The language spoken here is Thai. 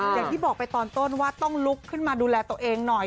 อย่างที่บอกไปตอนต้นว่าต้องลุกขึ้นมาดูแลตัวเองหน่อย